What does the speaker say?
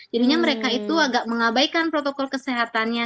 jadinya mereka itu agak mengabaikan protokol kesehatannya